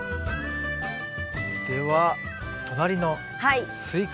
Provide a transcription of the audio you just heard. では隣のスイカ。